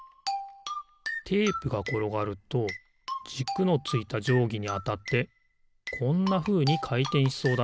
テープがころがるとじくのついたじょうぎにあたってこんなふうにかいてんしそうだな。